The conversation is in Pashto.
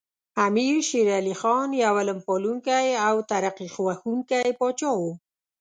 امیر شیر علی خان یو علم پالونکی او ترقي خوښوونکی پاچا و.